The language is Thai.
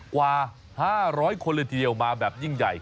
กว่า๕๐๐คนเลยทีเดียวมาแบบยิ่งใหญ่